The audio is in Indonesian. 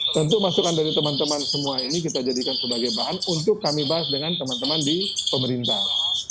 tentu masukan dari teman teman semua ini kita jadikan sebagai bahan untuk kami bahas dengan teman teman di pemerintah